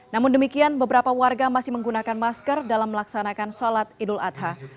namun demikian beberapa warga masih menggunakan masker dalam melaksanakan sholat idul adha